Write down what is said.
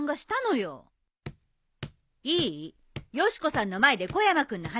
よし子さんの前で小山君の話はしないで。